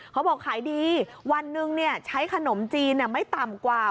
เขาบอกขายดีวันหนึ่งใช้ขนมจีนไม่ต่ำกว่า